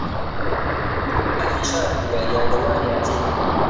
ئەهلی شار بووە یا دەوار یا دێ